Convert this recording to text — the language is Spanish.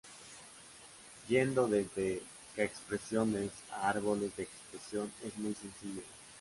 Yendo desde k-expresiones a árboles de expresión es muy sencillo.